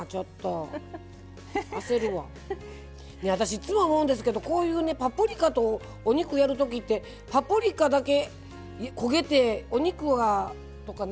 私いつも思うんですけどこういうパプリカとお肉やるときってパプリカだけ焦げてお肉はとかないですか？